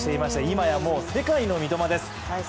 今や、もう世界の三笘です。